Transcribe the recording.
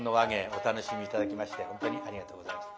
お楽しみ頂きまして本当にありがとうございます。